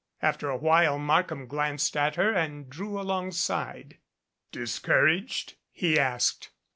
After a while Markham glanced at her and drew alongside. "Discouraged?" he asked.